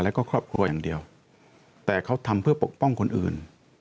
แล้วก็ครอบครัวอย่างเดียวแต่เขาทำเพื่อปกป้องคนอื่น